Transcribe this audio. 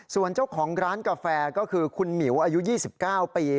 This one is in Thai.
ส่วนเจ้าของร้านกาแฟก็คือคุณหมิวอายุ๒๙ปี